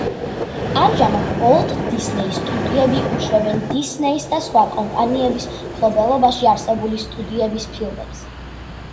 ამჟამად უოლტ დისნეის სტუდიები უშვებენ დისნეის და სხვა კომპანიების მფლობელობაში არსებული სტუდიების ფილმებს.